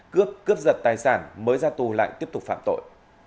cướp cướp giật tài sản mới ra tù lại tiếp tục phạm tội